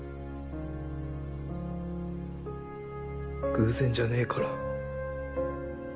偶然じゃねぇから。